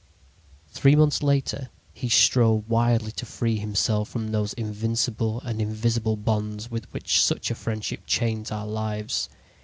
"Three months later he strove wildly to free himself from those invincible and invisible bonds with which such a friendship chains our lives.